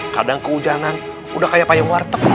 kadang keunjangan udah kayak payang warteg